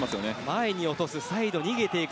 前に落とすサイドに逃げていく。